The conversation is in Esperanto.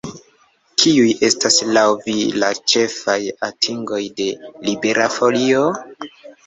Kiuj estas laŭ vi la ĉefaj atingoj de Libera Folio?